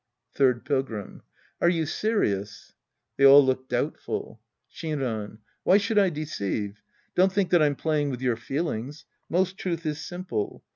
Third Pilgrim. Are you serious ? {J^hey all look doubtful^ Shinran. Why should I deceive? Don't think that I'm playing with your feelings. Most truth is simple.